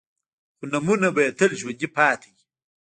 خو نومونه به يې تل ژوندي پاتې وي.